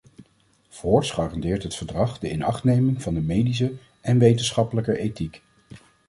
Voorts garandeert het verdrag de inachtneming van de medische en wetenschappelijke ethiek.